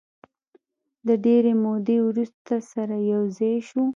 د ډېرې مودې وروسته سره یو ځای شوو.